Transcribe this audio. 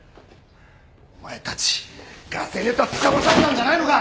お前たちガセネタつかまされたんじゃないのか！？